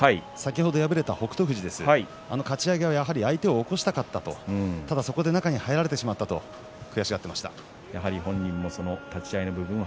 先ほど敗れた北勝富士はかち上げは相手を起こしたかったと、ただそこで中に入られてしまったと悔しがっていました。